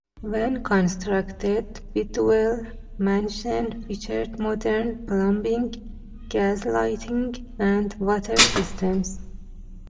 When constructed, Bidwell Mansion featured modern plumbing, gas lighting and water systems.